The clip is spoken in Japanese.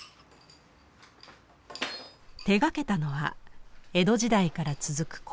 手がけたのは江戸時代から続く工房。